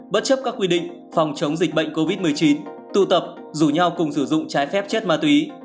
bất chấp các quy định phòng chống dịch bệnh covid một mươi chín tụ tập rủ nhau cùng sử dụng trái phép chất ma túy